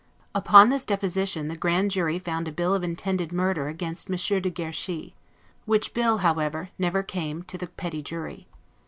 Upon this deposition, the Grand jury found a bill of intended murder against Monsieur de Guerchy; which bill, however, never came to the Petty Jury.